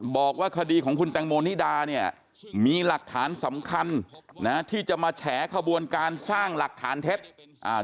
บอกว่าคดีของคุณแตงโมนิดาเนี่ยมีหลักฐานสำคัญนะที่จะมาแฉขบวนการสร้างหลักฐานเท็จอ่า